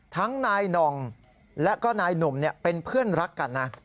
ทั้งนายน่องและก็นายหนุ่มเป็นเพื่อนรักกันนะ